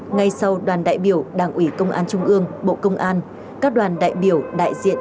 ngay sau đoàn đại biểu đảng ủy công an trung ương bộ công an các đoàn đại biểu đại diện